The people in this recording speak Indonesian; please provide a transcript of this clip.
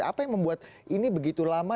apa yang membuat ini begitu lama